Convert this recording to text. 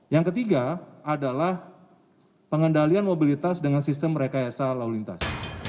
yang ketiga adalah pengendalian mobilitas dengan sistem rekayasa laulintas